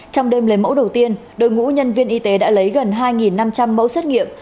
trong đêm lấy mẫu đầu tiên đội ngũ nhân viên y tế đã lấy gần hai năm trăm linh mẫu xét nghiệm